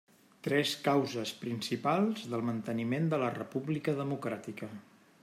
Tres causes principals del manteniment de la república democràtica.